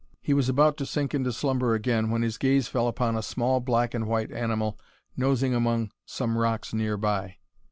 He was about to sink into slumber again when his gaze fell upon a small black and white animal nosing among some rocks near by.